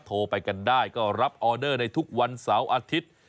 โทรไปกันได้ก็รับออเดอร์ในทุกวันเสาร์อาทิตย์